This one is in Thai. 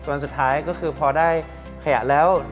วันสุดท้ายก็คือพอได้ขยะแล้ว